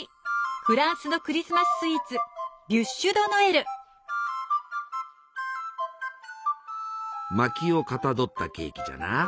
フランスのクリスマススイーツまきをかたどったケーキじゃな。